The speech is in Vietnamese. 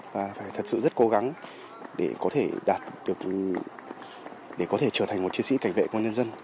và phải thật sự rất cố gắng để có thể trở thành một chiến sĩ cảnh vệ của nhân dân